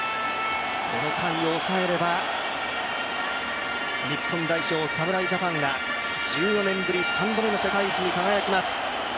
この回を抑えれば日本代表、侍ジャパンが１４年ぶり３度目の世界一に輝きます